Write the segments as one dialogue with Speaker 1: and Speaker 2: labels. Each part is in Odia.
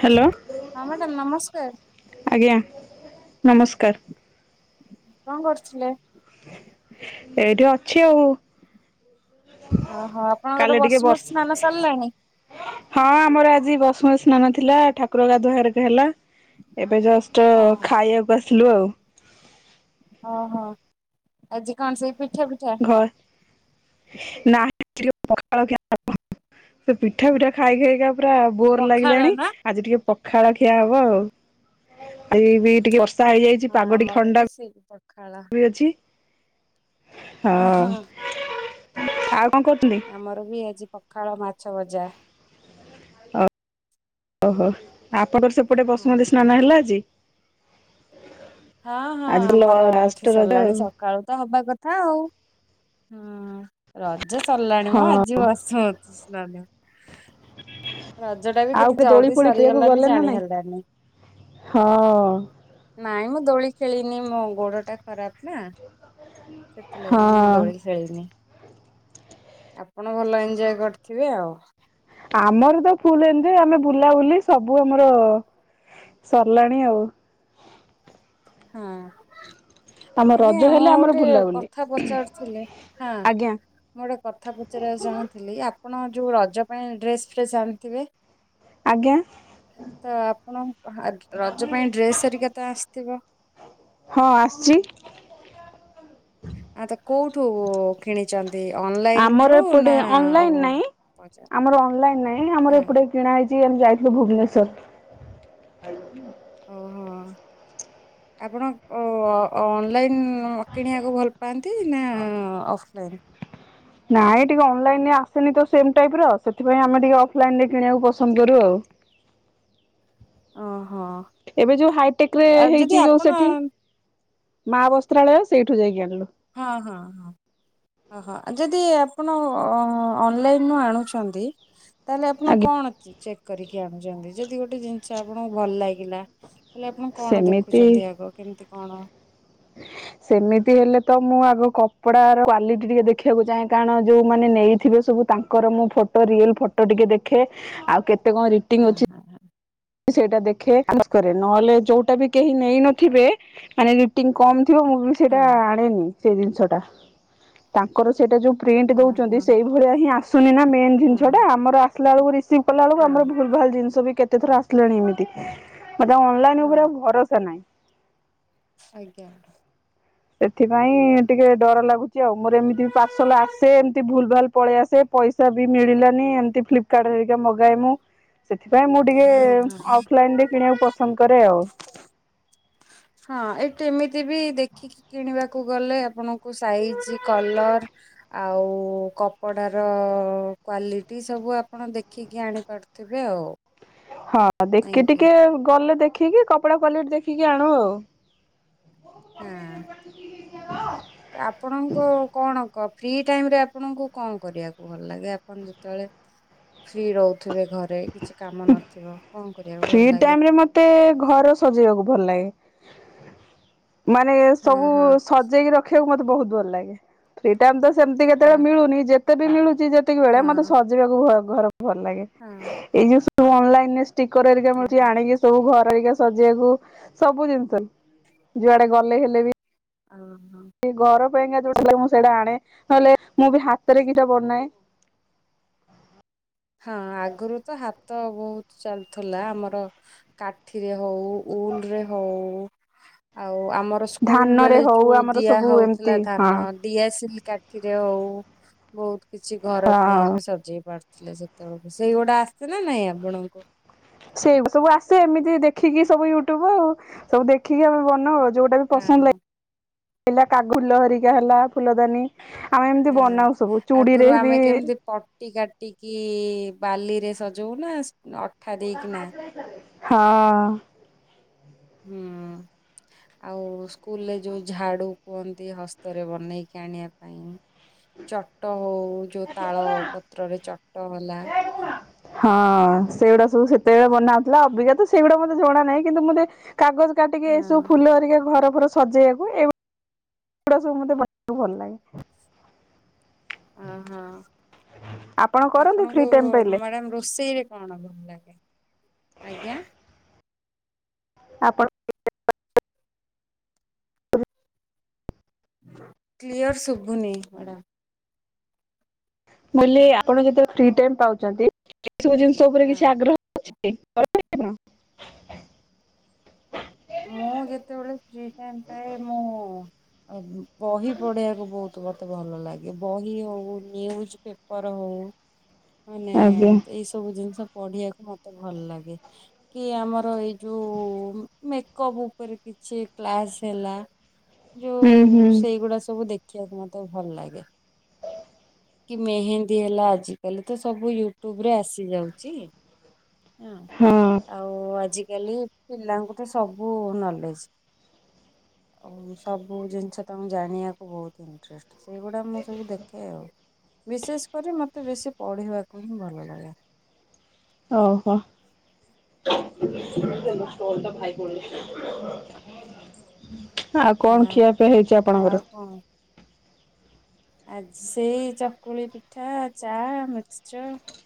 Speaker 1: ହ୍ୟାଲୋ
Speaker 2: ହଁ ମ୍ୟାଡ଼ାମ ନମସ୍କାର।
Speaker 1: ଆଜ୍ଞା ନମସ୍କାର।
Speaker 2: କଣ କରୁଥିଲେ?
Speaker 1: ଏଇଠି ଅଛି ଆଉ।
Speaker 2: ଓହୋ ଆପଣଙ୍କର
Speaker 1: କାଲି ଟିକେ ବର୍ଷ
Speaker 2: ବସୁମତୀ ସ୍ନାନ ସରିଲାଣି।
Speaker 1: ଆ ବସମ ସ୍ନାନ ଥିଲା ଠାକୁର ଗାଧୁଆ ଘରକୁ ହେଲା। ଏବେ ଜଷ୍ଟ
Speaker 2: ହଁ।
Speaker 1: ଖାଇବାକୁ ଷ୍ଟା ହାଲୋ ଆଉ
Speaker 2: ଓ ହୋ ଆଜି କଣ ସେଇ ପ ପିଠା ପିଠା
Speaker 1: ଘ ନା ପିଠା ପିଠା ଖାଇ ଖାଇକା ପୁରା ବୋର
Speaker 2: ପଖାଳ
Speaker 1: ଲାଗିଲାଣି
Speaker 2: ନା?
Speaker 1: ଆଜି ଟିକେ ପଖାଳ ଖିଆ ହବ ଆଉ ଆଉ ବି ଟିକେ ଅ ହେଇଯାଇଛି
Speaker 2: ହଁ
Speaker 1: ପାଗଟି
Speaker 2: ଆମର ବି
Speaker 1: ଥଣ୍ଡା
Speaker 2: ସେଇ ପଖାଳ।
Speaker 1: ହୋଇଅଛି ।
Speaker 2: ଓହୋ
Speaker 1: ହଁ । ଆଉ କଣ କରୁଛନ୍ତି?
Speaker 2: ଆମର ବି ଆଜି ପଖାଳ ମାଛ ମାଛ ଭଜା ।
Speaker 1: ଓହୋ ଆ ଆପଣଙ୍କ ର ସେପଟେ
Speaker 2: ହଁ
Speaker 1: ବସୁମତୀ ସ୍ନାନ ହେଲା ଆଜି ।
Speaker 2: ହଁ ହଁ
Speaker 1: ଆଜି
Speaker 2: ଆମର
Speaker 1: ଲାଷ୍ଟ
Speaker 2: ଏଠି
Speaker 1: ରଜ
Speaker 2: ସରିଲାଣି
Speaker 1: ଆଉ
Speaker 2: ସକାଳୁ ତ ହବା କଥା ଆଉ ହୁଁ । ରଜ ସରିଲାଣି ମୁଁ
Speaker 1: ହଁ।
Speaker 2: ଆଜି ବସୁମତୀ ସ୍ନାନ । ରଜ ଟା ବି
Speaker 1: ଆଉ
Speaker 2: କେତେ
Speaker 1: କେ ଦୋଳି
Speaker 2: ଜଲଦି
Speaker 1: ଫୋଳି ଖେଳିବାକୁ
Speaker 2: ସରିଗଲା ବି
Speaker 1: ଗଲେ ନା
Speaker 2: ଜାଣି
Speaker 1: ନାଇଁ?
Speaker 2: ହେଲାନି
Speaker 1: ହଁ।
Speaker 2: ନାଇଁ ମ ଦୋଳି ଖେଳିନି ମୋ ଗୋଡ ଟା ଖରାପ ନା ସେଥି ଲାଗି ମୁଁ
Speaker 1: ହଁ
Speaker 2: ଦୋଳି ଖେଳିନି । ଆପଣ ଭଲ ଏଞଜୟ କରିଥିବେ ଆଉ
Speaker 1: ଆମର ତ ଫୁଲ ଏନଜୟ ଆମେ ବୁଲାବୁଲି ସବୁ ଆମର ସରିଲାଣି ଆଉ
Speaker 2: ହଁ
Speaker 1: ଆମ
Speaker 2: ଆଜ୍ଞା
Speaker 1: ରଜ
Speaker 2: ମୁଁ
Speaker 1: ହେଲେ ଆମର
Speaker 2: ଗୋଟେ
Speaker 1: ବୁଲାବୁଲି।
Speaker 2: କଥା ପଚାରୁଥିଲି ହଁ
Speaker 1: ଆଜ୍ଞା
Speaker 2: ମୁଁ ଗୋଟେ କଥା ପଚାରିବାକୁ ଚାହୁଁଥିଲି ଆପଣ ଯୋଉ ରଜ ପାଇଁ ଡ୍ରେସ ଫ୍ରେସ୍ ଆଣିଥିବେ
Speaker 1: ଆଜ୍ଞା
Speaker 2: ତ ଆପଣ ରଜ ପାଇଁ ଡ୍ରେସ୍ ହେରିକା ତ ଆସିଥିବ।
Speaker 1: ହଁ ଆସଛି ।
Speaker 2: ସବୁ କିଣିଛନ୍ତି। ଅନଲାଇନ ରୁ
Speaker 1: ଆମର
Speaker 2: ନା
Speaker 1: ଏପଟେ ଅନଲାଇନ ନାଇଁ
Speaker 2: ବଜାର
Speaker 1: ଆମର ଅନଲାଇନ ନାଇଁ
Speaker 2: ହଁ
Speaker 1: ଆମର ଏପଟେ କିଣା ହେଇଛି ଯେ ଆମେ ଯାଇଥିଲୁ ଭୁବନେଶ୍ୱର।
Speaker 2: ଓହୋ ଆପଣ ଅନଲାଇନ୍ କିଣିବାକୁ ଭଲ ପାଆ ନ୍ତି ନା ଅଫ୍ ଅଫ୍ ଲାଇନ୍।
Speaker 1: ନାଇଁ ଟିକେ ଅ ଅନଲାଇନ ରେ ଆସେନି ତ ସେମ ଟାଇପ ର ସେଥିପାଇଁ ଆମେ ଟିକେ ଅଫଲାଇନ ରେ କିଣିବାକୁ ପସନ୍ଦ କରୁ ଆଉ।
Speaker 2: ଓହୋ।
Speaker 1: ଏବେ ଯୋଉ ହାଇଟେକ ରେ
Speaker 2: ଆଉ ଯଦି
Speaker 1: ହେଇଛି ଯୋଉ
Speaker 2: ଆପଣ
Speaker 1: ସେଠି ମା ବସ୍ତ୍ରାଳୟ ସେଇଠୁ ଯାଇକି ଆଣିଲୁ।
Speaker 2: ହଁ ହଁ ହଁ ହଁ ଯଦି ଆପଣ ଅନଲାଇନ ରୁ ଆଣୁଛନ୍ତି ତାହେଲେ ଆପଣ
Speaker 1: ଆଜ୍ଞା।
Speaker 2: କଣ ଅଛି ଚେକ୍ କରିକି ଆଣୁଛନ୍ତି ଯଦି ଗୋଟେ ଜିନିଷ ଆଚ୍ଛା ଆପଣଙ୍କୁ ଭଲ ଲାଗିଲା ହେଲେ ଆପଣ କଣ
Speaker 1: ସେମିତି
Speaker 2: ଦେଖୁଛନ୍ତି ଆଗ କେମିତି କଣ
Speaker 1: ସେମିତି ହେଲେ ତ ମୁଁ ଆଗ କପଡାର କ୍ଵାଲିଟି ଟିକେ ଦେଖିବାକୁ ଚାହେଁ କାରଣ ଯୋଉ ମାନେ ନେଇଥିବେ ସବୁ ତାଙ୍କର ମୁଁ ଫଟୋ ରିଅଲ ଫଟୋ ଟିକେ ଦେଖେ ଆଉ କେତେ ଏତେ କଣ
Speaker 2: ହଁ
Speaker 1: ରେଟିଙ୍ଗ ଅଛି
Speaker 2: ହଁ
Speaker 1: ସେଇଟା ଦେଖେ ଚୁଜ କରେ ନହେଲେ ଯୋଉଟା ବି କେହି ନେଇନଥିବେ ମାନେ ରେଟିଙ୍ଗ କମ୍ ଥିବ ମୁଁ ବି ସେଇଟା
Speaker 2: ହଁ
Speaker 1: ଆଣେନି । ସେ ଜିନିଷ ଟା ତାଙ୍କର ସେଇଟା ଯୋଉ ପ୍ରିଣ୍ଟ
Speaker 2: ହଁ
Speaker 1: ଦଉଛନ୍ତି
Speaker 2: ହଁ
Speaker 1: ସେଇଭଳିଆ ହିଁ ଆସୁ ଆସୁନି ନା। ମେନ୍
Speaker 2: ହଁ
Speaker 1: ଜିନିଷ ଟା ଆମର ଦେଖିଲା ବେଳକୁ ସିମ୍ପଲ ହେଲା ବେଳକୁ
Speaker 2: ହଁ
Speaker 1: ଆମ ଭୂଲ ଭାଲ ଜିନିଷ ବି କେତେ ତାପରେ ଆସେ [unintelligible] ମତେ ଅନଲାଇନ
Speaker 2: ହଁ
Speaker 1: ଉପରେ ଆଉ ଭରସା ନାହିଁ।
Speaker 2: ଆଜ୍ଞା।
Speaker 1: ସେଥିପାଇଁ ଟିକେ ଡର ଲାଗୁଛି ଆଉ ମୋର ଏମିତି ବି ପାର୍ସଲ ଆସେ ଏମିତି ଭୁଲ ଭାଲ ପଳେଇ ଆସେ ପଇସା ବି ମିଳିଲାନି ଏମିତି ଫ୍ଲିପକାର୍ଟ ହେରିକା ମଗାଏ ମୁଁ ସେଥିପାଇଁ ମୁଁ ଟିକେ
Speaker 2: ହଁ ହଁ ହଁ
Speaker 1: ଅଫଲାଇନ ରେ କିଣିବାକୁ ପସନ୍ଦ କରେ ଆଉ।
Speaker 2: ହଁ ଏଠି ଏମିତି ବି ଦେଖିକି କିଣିବାକୁ ଗଲେ ଆପଣଙ୍କୁ ସାଇଜ କଲର ଆଉ କପଡାର କ୍ଵାଲିଟି ସବୁ ଆପଣ ଦେଖିକି ଆଣିପାରୁଥିବେ ଆଉ।
Speaker 1: ହଁ ଦେଖି
Speaker 2: ନାଇଁକି
Speaker 1: ଟିକେ ଗଲେ ଦେଖ ଦେଖିକି କପଡ଼ା କ୍ୱାଲିଟି ଦେଖିକି ଆଣୁ ଆଉ।
Speaker 2: ହଁ ଆପଣଙ୍କ କଣ? କ ଫ୍ରି ଟାଇମ ରେ ଆପଣଙ୍କୁ କଣ କରିବାକୁ ଭଲ ଲାଗେ ଆପଣ ଯେତେବେଳେ ଫ୍ରି ରହୁ ଥିବେ ଘରେ କିଛି କାମ ନଥିବ। କଣ କରିବାକୁ
Speaker 1: ଫ୍ରି
Speaker 2: ଭଲ ଲାଗେ?
Speaker 1: ଟାଇମ ରେ ମତେ ଘର ସଜେଇବାକୁ ଭଲ ଲାଗେ। ମାନେ
Speaker 2: ହଁ
Speaker 1: ସବୁ
Speaker 2: ହଁ
Speaker 1: ସଜେଇକି ରଖିବାକୁ ମତ ବହୁତ ଭଲ ଲାଗେ ଫ୍ରୀ ଟାଇମ ତ। ସେମିତି କେତେବେଳେ
Speaker 2: ହଁ
Speaker 1: ମିଳୁନି ଯେତେ ବି ମିଳୁଛି ଯେତିକି ବେଳେ ମତେ
Speaker 2: ହଁ
Speaker 1: ସଜେଇବାକୁ ଭଲ ଭଲ ଲାଗେ
Speaker 2: ହଁ
Speaker 1: ଏଇ ଯୋଉ ଯଉ ଅନଲାଇନ୍ ଷ୍ଟିକ କର ହେରିକା
Speaker 2: ହଁ
Speaker 1: ମିଳୁଛି ଆଣିକି ସବୁ ଘରେ। ସଜେଇିବାକୁ ସବୁ ଜିନିଷ ଯୁଆଡେ ଗଲେ ହେଲେ ବି
Speaker 2: ହଁ ହଁ।
Speaker 1: ପାଇଁ କା ଯୋଉଟା ମୁଁ ସେଇଟା ଆଣେ ନହେଲେ ମୁଁ ବି ହାତରେ କେଟା ବନାଏ।
Speaker 2: ହଁ ଆଗରୁ ତ ହାତ ବହୁତ ଚାଲୁଥିଲା ଆମର କାଠିରେ ହଉ ଉଲ ରେ ହଉ ଆ ଆଉ ଆମର ସ୍କୁଲ
Speaker 1: ଧାନରେ
Speaker 2: ବେଳେ
Speaker 1: ହଉ
Speaker 2: ଯୋଉ
Speaker 1: ଆମର
Speaker 2: ଦିଆ
Speaker 1: ସବୁ
Speaker 2: ହଉଥିଲା
Speaker 1: ଏମିତି ହଁ
Speaker 2: ଧାନ ଡିଆସିଲ କାଠ ଥିରେ ହଉ ବହୁତ। କିଛି ଘର ପାଇଁ
Speaker 1: ହଁ
Speaker 2: ଆମେ ସଜେଇ ପାରୁ ଥିଲେ ସେତେବେଳକୁ ସେଇଗୁଟା ଆସିଥିଲା ନାଇଁ ଆପଣଙ୍କୁ।
Speaker 1: ସେଇଆକୁ ସବୁ ଆସେ ଏମିତି ଦେଖିକି ସବୁ ୟୁଟ୍ୟୁବ ସବୁ ଦେଖିକି ଆମେ ବନାଉ ଯେଉଟା ବି
Speaker 2: ହଁ
Speaker 1: ପସନ୍ଦ ଲାଗେ। ପିଲା କାଗୁ ଲହରିକା ହେଲା ଫୁଲଦାନୀ। ଆମେ ଏମିତି
Speaker 2: ହଁ
Speaker 1: ବନାଉ ସବୁ
Speaker 2: ଆଗରୁ
Speaker 1: ଚୁଡିରେ ବି
Speaker 2: ଆମେ କେମିତି ପଟି କାଟିକି ବାଲିରେ ସଜଉ ନା ନଟ ଅଠାଦେଇ କିନା
Speaker 1: ହଁ।
Speaker 2: ହୁଁ ଆଉ ସ୍କୁଲରେ ଯୋଉ ଝାଡୁ କୁହନ୍ତି ହସ୍ତରେ ବନେଇକି ଆଣିବା ପାଇଁ ଚଟ ହଉ। ଉ ଯଉ ତାଳ ପତ୍ରରେ ଚଟ ହେଲା ହୁଁ।
Speaker 1: ସେତବେଳେ ବନାଉଥିଲା ଅଭିକା ତ ସେଗୁଡା ମୋତେ ଜଣା ନାହିଁ କିନ୍ତୁ ମୋତେ କାଗଜ କାଟିକି ଏସବୁ
Speaker 2: ହଁ।
Speaker 1: ଫୁଲ ହରିକା ଘର ଫର ସ ସଜେଇବାକୁ ଏଭଳି ଏ ଗୁଡା ସବୁ ମତେ ଭଲ ଲାଗେ ।
Speaker 2: ହଁ ହଁ
Speaker 1: ଆପଣ କରନ୍ତି ଫ୍ରି
Speaker 2: ଆପଣଙ୍କୁ
Speaker 1: ଟାଇମ ପାଇଲେ
Speaker 2: ମ୍ୟାଡାମ ରୋଷେଇରେ କଣ ଭଲ ଲାଗେ? ଆଜ୍ଞା ।
Speaker 1: ଆପଣ [inaudible]
Speaker 2: କ୍ଲିୟର ଶୁଭୁନି ଡ଼ା
Speaker 1: ବ ଆପଣ ଯେତେ ଫ୍ରୀ ଟାଇମ ପାଉଛନ୍ତି ଏ ସବୁ ଜିନିଷ ଉପରେ କିଛି
Speaker 2: ହଁ
Speaker 1: ଆଗ୍ରହ ଅଛି । [inaudible]
Speaker 2: ମୁଁ ଯେତେବେଳେ ଫ୍ରି ଟାଇମ୍ ପାଏ ମୁଁ ବହି ପଢିଆକୁ ବହୁତ ଭ ମତେ ଭଲ ଲାଗେ ବହି ହଉ ନିୟୁଜ ପେପର ହଉ ମାନେ
Speaker 1: ଆଜ୍ଞା
Speaker 2: ଏଇ ସବୁ ଜିନିଷ ପଢିବାକୁ ମତେ ଭଲ ଲାଗେ କି ଆମର ଏଇ ଯୋଉ ମେକପ ଉପରେ କିଛି କ୍ଲାସ ହେଲା
Speaker 1: ହୁଁ
Speaker 2: ଯୋଉ
Speaker 1: ହୁଁ
Speaker 2: ସେଇଗୁଡା ସବୁ ଦେଖି ଖିଆ କୁ ମତେ ଭଲ ଲାଗେ । କି ମେହେନ୍ଦୀ ହେଲା ଆଜିକାଲି ତ ସବୁ ୟୁଟ୍ୟୁବ ରେ ଆସିଯାଉଛି । ହୁଁ
Speaker 1: ହଁ
Speaker 2: ଆଉ ଆଜି ଗଲି ପିଲାଙ୍କୁ ତ ସବୁ ନଲେଜ । ଆଉ ସବୁ ଜିନିଷ ତାଙ୍କୁକୁ ଜାଣିବାକୁ ବହୁତ ଇଣ୍ଟରେଷ୍ଟ ସେଇଗୁଡା ମୁଁ ସବୁ ଦେଖେ ଆଉ । ବିଶେଷ କରି ମୋତେ ବେଶୀ ପଢ଼ିବାକୁ ହିଁ ଭଲ ଲାଗେ ।
Speaker 1: [inaudible] ଓଡ଼ିଶା [inaudible] ଆଉ କଣ ଖିଆପିଆ
Speaker 2: ହଁ
Speaker 1: ହେଇଛି ଆପଣଙ୍କର ।
Speaker 2: ଆ ସେଇ ଚକୁଳି ପିଠା ଚା ମିକ୍ସଚର ।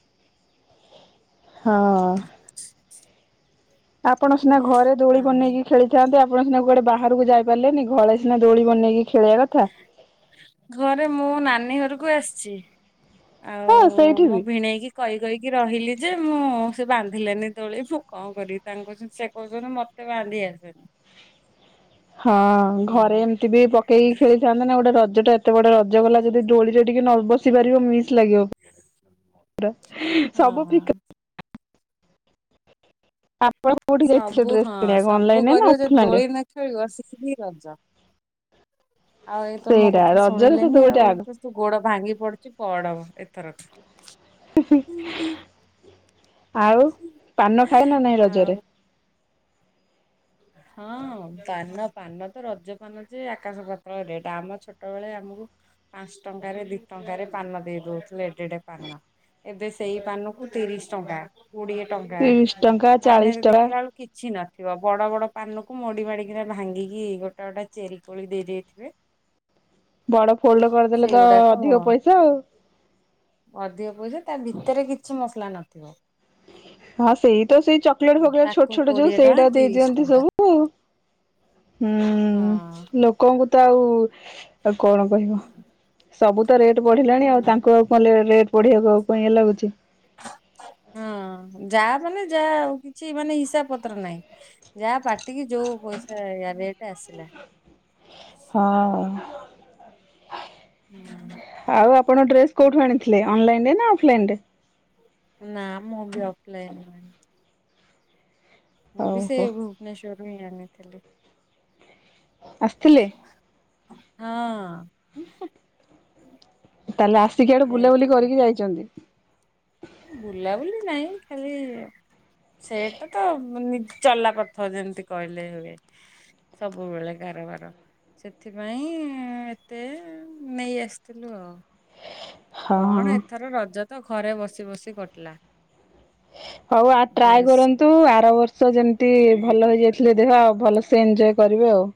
Speaker 1: ହଁ । ଆପଣ ସିନା ଘରେ ଦୋଳି
Speaker 2: ହଁ ହଁ
Speaker 1: ବନେଇକି ଖେଳିଥାନ୍ତି କୌଣ ସିନା କୁଆଡେ ବାହାରକୁ ଯାଇ ପାରିଲେନି ଘଳି ସିନା ଦୋଳି ବନେଇକି ଖେଳିବା କଥା
Speaker 2: ଏବେ ମୁଁ ନାନୀ ଘରକୁ ଆସିଛି।
Speaker 1: ହଁ
Speaker 2: ଆଉ
Speaker 1: ସେଇଠି
Speaker 2: ମୁଁ
Speaker 1: ବି।
Speaker 2: ଭିଣେଇକି କହି କହିକି ରହିଲି ଯେ ମୁଁ ସେ ବାନ୍ଧିଲେନି ତୋଳି ଫ କଣ କରି ତାଙ୍କୁ କହୁଛନ୍ତି ସେ କହୁଛନ୍ତି ମତେ ବାନ୍ଧି ଆସେନି ।
Speaker 1: ହଁ ଘରେ ଏମିତି ବି ପକେଇକି ଖେଳିଥାନ୍ତେ ନା ଗୋଟେ ରଜ ଜ ଟା ଏତେ ବଡ ରଜ ଗଲା ଯଦି ଡଳିରେ ଟିକେ ନ ବସି ପାରିବ ମି ଲାଗିବ ସବୁ
Speaker 2: ହଁ
Speaker 1: ଫ ଆପଣ କୋଉଠି ଯାଇଥିଲେ
Speaker 2: ସବୁ
Speaker 1: ଡ୍ରେସ
Speaker 2: ହଁ
Speaker 1: କିଣିବାକୁ
Speaker 2: ସବୁ
Speaker 1: ଅନଲାଇନରେ ନା
Speaker 2: କରିବ ଯି
Speaker 1: ଅଫଲାଇନ ରେ?
Speaker 2: ଦୋଳି ନ ଖେଳିବ ସି ରଜ ଆଉ ଏଇତ ମୋ
Speaker 1: ସେଇଟା
Speaker 2: କଥା
Speaker 1: ରଜରେ ତ
Speaker 2: ଶୁଣିଲେନି
Speaker 1: ଦୋଳିଟା
Speaker 2: ଆଉ
Speaker 1: ଆଗ
Speaker 2: ତୁ ଗୋଡ ଭାଙ୍ଗି ପଡୁଛି ପଡବ ଏଥରକ
Speaker 1: ହ [inaudible] ଆଉ ପାନ ଖାଏ ନା ନାଇଁ
Speaker 2: ଆଉ
Speaker 1: ରଜରେ
Speaker 2: ହଁ ପାନ ପାନ ତ ରଜ ପାନ ଯେ ଆକାଶ ପତାଳ ରେଟ ଆମ ଛୋଟ ବେଳେ ଆମକୁ ପାଞ୍ଚ ଟଙ୍କାରେ ଦି ଟଙ୍କାରେ ପାନ ଦେଇ ଦଉଥିଲେ ଏଡେଏଡେ ପାନ ଏବେ ସେଇ ପାନକୁ ତିରିଶ ଟଙ୍କା କୋଡିଏ ଟଙ୍କା
Speaker 1: ତିରିଶ ଟଙ୍କା ଚାଳିଶ
Speaker 2: ତାରନେରେ
Speaker 1: ଟଙ୍କା
Speaker 2: ଦେଖିଲା ବେଳୁ କିଛି ନ ଥିବା ବଡ ବଡ ପାନ କୁ ମୋଡି ମାଡିକିନା ଭାଙ୍ଗିକି ଗୋଟା ଗୋଟା ଚେରି କୋଳି ଦେଇ ଦେଇଥିବେ
Speaker 1: ବଡ ଫୋଲଡ କରିଦେଲେ ତ
Speaker 2: ସେଇଗୁଡାକ
Speaker 1: ଅଧିକ ପଇସା ଆଉ
Speaker 2: ଅଧିକ ପଇସା ତା ଭିତରେ କିଛି ମସଲା ନଥିବ
Speaker 1: ହଁ ସେଇ ତ ସେଇ ଚକଲେଟ ଫକଲେଟେ ଛୋଟ
Speaker 2: ତାକୁ
Speaker 1: ଛୋଟ ଯୋଉ
Speaker 2: କୋଡିଏ ଟଙ୍କା
Speaker 1: ସେଇଟା ଦେଇ
Speaker 2: ତିରିଶ
Speaker 1: ଦିଅନ୍ତି
Speaker 2: ଟଙ୍କା
Speaker 1: ସବୁ ହୁଁ
Speaker 2: ହଁ।
Speaker 1: ଲୋକଙ୍କୁ। ତ ଆଉ ଆଉ କଣ କହିବ ସବୁ ତ ରେଟ ବଢିଲାଣି ଆଉ ତାଙ୍କୁ ଆଉ କଣ ରେଟ ପଢିବାକୁ ଆଉ କଣ ଇଏ ଲାଗୁଛି।
Speaker 2: ହଁ ଯାହା ମାନେ ଯାହା ଆଉ କିଛି ମାନେ ହିସାବ ପତ୍ର ନାହିଁ ଯାହା ପାଟିକି ଯୋଉ ପଇସା ରେଟ ଆସିଲା।
Speaker 1: ହଁ।
Speaker 2: ହୁଁ
Speaker 1: ଆଉ ଆପଣ ଡ୍ରେସ କୋଉଠୁ ଆଣିଥିଲେ ଅନଲାଇନ ରେ ନା ଅଫଲାଇନ ରେ
Speaker 2: ନା ମୁଁ ବି ଅଫ ଲାଇନ ମୁଁ ବି ସେ
Speaker 1: ଓହୋ।
Speaker 2: ଭୁବନେଶ୍ଵର ରଇ ଆଣିଥିଲି
Speaker 1: ଆସିଥିଲେ
Speaker 2: ହଁ
Speaker 1: ତାହେଲେ ଆସିକି ଆଡେ
Speaker 2: ଯାଇକି
Speaker 1: ବୁଲାବୁଲି କରିକି
Speaker 2: ଧରି
Speaker 1: ଯାଇଛନ୍ତି
Speaker 2: ବୁଲାବୁଲି ନାଇଁ ଖାଲି ସେଇଟା ତ ନି ଚଲାପଥ ଯେମିତି କହିଲେ ହୁଏ ସବୁବେଳେ କାରବାର ସେଥିପାଇଁ ଏତେ ନେଇ ଆସିଥିଲୁ ଆଉ କଣ
Speaker 1: ହଁ
Speaker 2: ଏଥର ରଜ ତ ଘରେ ବସି ବସି କଟିଲା
Speaker 1: ହଉ ଆ ଟ୍ରାଏ
Speaker 2: ଡ୍ରେସ୍
Speaker 1: କରନ୍ତୁ ଆର ବର୍ଷ ଯେମିତି ଭଲ ହୋଇଯାଇଥିଲେ ଦେହ ଆ ଭଲ ସେ ଏନଞ୍ଜୟ କରିବେ ଆଉ।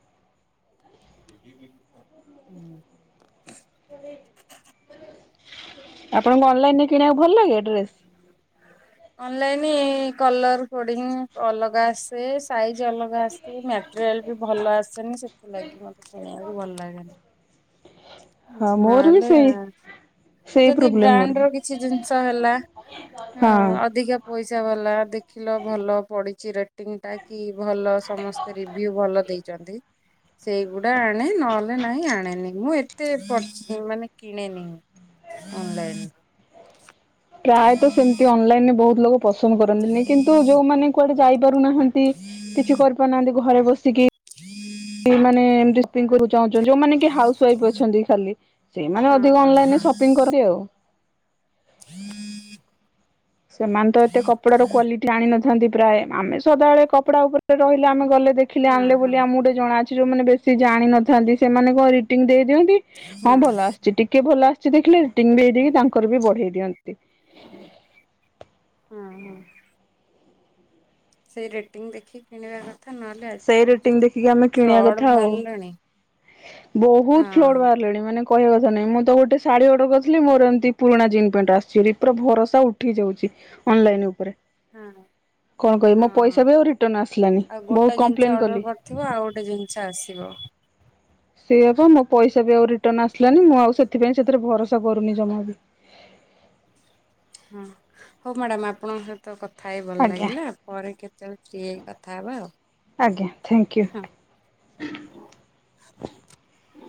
Speaker 2: ହୁଁ [inaudible]
Speaker 1: ଆପଣଙ୍କୁ ଅନଲାଇନ ରେ କିଣିବାକୁ ଭଲ ଲାଗେ? ଡ୍ରେସ୍?
Speaker 2: ଅନଲାଇନ କଲର ପୋଡିଂ ଅଲଗା ଆସେ। ସାଇଜ୍ ଅଲଗା ଆସୁଛି ମ୍ୟାଟେରିଆଲ ବି ଭଲ ଆସେନି ସେଥିଲାଗି ମତେ କିଣିବାକୁ ଭଲ ଲାଗେନି।
Speaker 1: ହଁ ମୋର ବି
Speaker 2: ନହେଲେ
Speaker 1: ସେଇ
Speaker 2: ଆ
Speaker 1: ସେଇ
Speaker 2: ଯଦି
Speaker 1: ପ୍ରୋବ୍ଲେମ ମୋର
Speaker 2: ବ୍ରାଣ୍ଡ ର
Speaker 1: ବି।
Speaker 2: କିଛି ଜିନିଷ ହେଲା
Speaker 1: ହଁ
Speaker 2: ଉମ ଅଧିକା ପଇସା ପଜା ବାଲା ଦେଖିଲ ଭଲ ପଡିଛି ରେଟିଂ ଟା କି ଭଲ ସମସ୍ତେ ରିଭିୟୁ ଭଲ ଦେଇ ସେଇଗୁଡା ଆଣେ ନହେଲେ ନାହିଁ ଆଣେନି ମୁଁ କେତେ ପ ମାନେ କିଣେନି ଅନଲାଇନରୁ।
Speaker 1: ପ୍ରାୟତ ସେମିତି ଅନଲାଇନରେ ବହୁତ ଲୋକ ପସନ୍ଦ କରନ୍ତିନି କିନ୍ତୁ ଯୋଉମାନେ କୁଆଡେ କରୁନାହାନ୍ତି କିଛି କରିପାରୁନାହାନ୍ତି ଘରେ ବସିକି। ଏଇ ମାନେ ଏମତି ବିଗୁର ଚଂଚ ଯୋଉମାନେ କି ହାଉସ ୱାଇ ଅଛନ୍ତି ଖାଲି ସେଇମାନେ
Speaker 2: ହଁ
Speaker 1: ଅଧିକ
Speaker 2: ହଁ ହଁ
Speaker 1: ଅନଲାଇନରେ ସପିଙ୍ଗ କରନ୍ତି ଆଉ।
Speaker 2: [unintelligible]
Speaker 1: ସେମାନେ ତ ଏତେ କପଡାର କ୍ୱାଲିଟି ଆଣି ନଥି ସେଠି ପ୍ରାୟ ଆମେ ସଦାବେଳେ କପଡା ଉପରେ ରହିଲେ ଆମେ ଗଲେ ଦେଖିଲେ
Speaker 2: ହଁ
Speaker 1: ଆଣିଲେ
Speaker 2: ହଁ
Speaker 1: ବୋଲି ଆମକୁ ଟିଟେ ଜଣା ଅଛିୋଉ ମାନ ବେଶି ସେ ଜାଣିିନଥାନ୍ତି ସେମାନଙ୍କ ରେଟିଂ ଦେଇ ଦିଅନ୍ତି ହଁ ଭଲ ଆସିୁଛି ଟିକେ ଭଲ ଆସି ସେ ଦେଖିଲେ ରେଟିଙ୍ଗ ଦେଇ ଦେଇ ତାଙ୍କର ବି ବଢେଇ ଦିଅନ୍ତି।
Speaker 2: ହଁ ହଁ ସେଇ ରେଟିଂ ଦେଖିକି କିଣିବା କଥା ନହେଲେ ଆଜି
Speaker 1: ସେଇ
Speaker 2: କାଲି
Speaker 1: ରେଟିଂ
Speaker 2: ଯୋଉ
Speaker 1: ଦେଖିକି ଆମେ କିଣିବା
Speaker 2: ଫ୍ରଡ
Speaker 1: କଥା ଆଉ।
Speaker 2: ବାହାରିଲାଣି। ହଁ
Speaker 1: ବହୁତ ଫ୍ଲଡ ବାହାରିଲେଣି ମାନେ କହିବା କଥା ନାଇଁ ମୁଁ ତ ଗୋଟେ ଶାଢ଼ୀ ଅର୍ଡର କରିଥିଲି। ମୋର ଏମିତି ପୁରୁଣା ଜିନ୍ ପ୍ୟାଣ୍ଟ ଆସିଛି ପୁରା ଭରସା ଉଠି ଯାଉଛି ଅନଲାଇନ ଉପରେ।
Speaker 2: ହଁ
Speaker 1: କଣ କହିବି
Speaker 2: ହଁ
Speaker 1: ମୋ ପଇସା ବି ଆଉ ରିଟର୍ଣ୍ଣ ଆସିଲାନି
Speaker 2: ଆଉ
Speaker 1: ବହୁତ
Speaker 2: ଗୋଟେ ଜିନିଷ
Speaker 1: କମ୍ପ୍ଲେନ କଲି।
Speaker 2: ଅର୍ଡ଼ର କରିଥିବ ଆଉ ଗୋଟେ ଜିନିଷ ଆସିବ।
Speaker 1: ସେଇଆ ପା ମୋ ପଇସା ବି ଆଉ ରିଟର୍ନ ଆସିଲାନି ମୁଁ ଆଉ ସେଥିପାଇଁ ସେଥିରେ ଭରସା କରୁନି ଜମା ବି।
Speaker 2: ହଁ ହଉ ମ୍ୟାଡ଼ାମ୍ ଆପଣଙ୍କ ସହିତ କଥା ଥାଇ ଭଲ
Speaker 1: ଆଜ୍ଞା
Speaker 2: ଲାଗିଲା ପରେ କେତେବେଳେ ଫ୍ରି ହେଇ କଥା ହବା ଆଉ
Speaker 1: ଆଜ୍ଞା ଥ୍ୟାଙ୍କୟୁ।
Speaker 2: ହଁ।